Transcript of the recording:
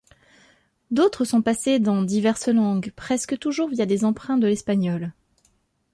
D'autres sont passés dans diverses langues, presque toujours via des emprunts de l'espagnol.